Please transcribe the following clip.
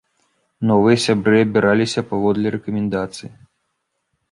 Новыя сябры абіраліся паводле рэкамендацыі.